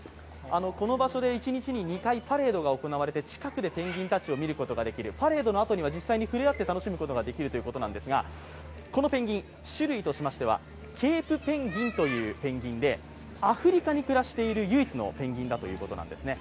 この場所で一日に２回パレードが行われて近くでペンギンたちを見ることができる、パレードのあとには実際に触れ合って楽しむこともできるということですが、このペンギン、種類としましてはケープペンギンというペンギンでアフリカに暮らしている唯一のペンギンということなんですね。